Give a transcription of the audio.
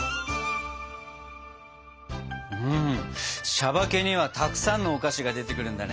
「しゃばけ」にはたくさんのお菓子が出てくるんだね。